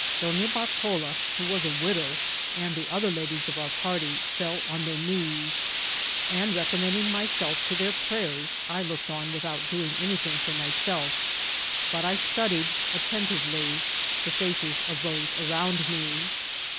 Donna Bartola, who was a widow, and the other ladies of om^ party, fell on their knees ; and, recommending myself to their prayers, I looked on with out doing anything for myself, but I studied attentive* ly the faces of those around me.